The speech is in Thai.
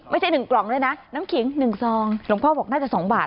ไม่ใช่หนึ่งกล่องเลยนะน้ำขิงหนึ่งซองหลวงพ่อบอกน่าจะสองบาท